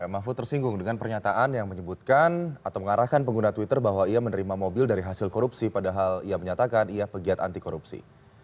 mahfud tersinggung dengan pernyataan yang menyebutkan atau mengarahkan pengguna twitter bahwa ia menerima mobil dari hasil korupsi padahal ia menyatakan ia pegiat anti korupsi